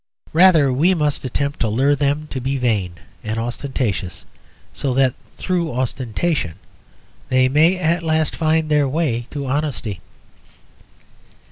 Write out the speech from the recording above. Rather we must attempt to lure them to be vain and ostentatious; so that through ostentation they may at last find their way to honesty.